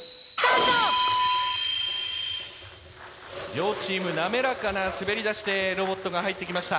両チーム滑らかな滑り出しでロボットが入ってきました。